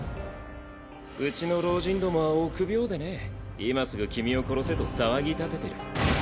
うちの老人どもは臆病でね今すぐ君を殺せと騒ぎ立ててる。